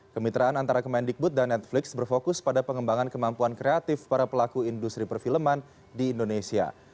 kemitraan antara kemendikbud dan netflix berfokus pada pengembangan kemampuan kreatif para pelaku industri perfilman di indonesia